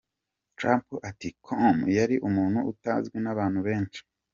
Trump ati “Comey yari umuntu utazwi n’abantu benshi.